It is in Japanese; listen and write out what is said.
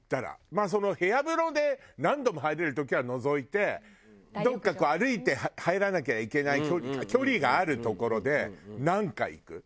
まあその部屋風呂で何度も入れる時は除いてどっかこう歩いて入らなきゃいけない距離がある所で何回行く？